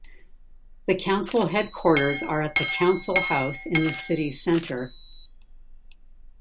The council headquarters are at the Council House in the city centre.